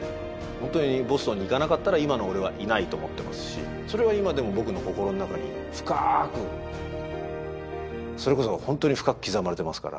ホントにボストンに行かなかったら今の俺はいないと思ってますしそれは今でも僕の心の中に深くそれこそホントに深く刻まれてますから